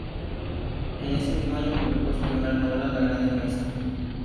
En ese mismo año, publicó su primera novela "La Grande Maison".